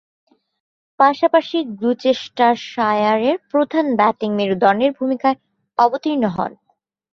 পাশাপাশি গ্লুচেস্টারশায়ারের প্রধান ব্যাটিং মেরুদণ্ডের ভূমিকায় অবতীর্ণ হন।